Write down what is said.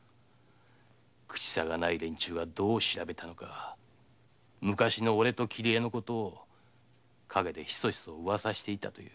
口さがない連中がどう調べたか昔の俺と桐江のことを陰でヒソヒソ噂していたという。